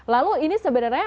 lalu ini sebenarnya berapa